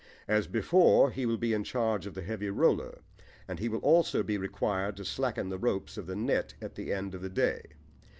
As before, he will be in charge of the heavy roller, and he will also be required to slacken the ropes of the net at the end of the day.